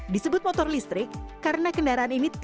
disebut motor listrik karena kendaraan ini terbentuk